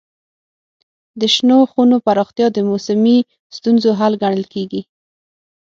د شنو خونو پراختیا د موسمي ستونزو حل ګڼل کېږي.